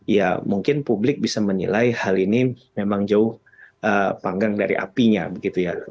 ya mungkin publik bisa menilai hal ini memang jauh panggang dari apinya begitu ya